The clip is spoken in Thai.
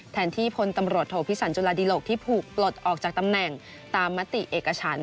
แทนที่พลตำรวจโทพิสันจุลาดิหลกที่ถูกปลดออกจากตำแหน่งตามมติเอกฉัน